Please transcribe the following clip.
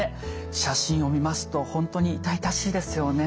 写真を見ますと本当に痛々しいですよね。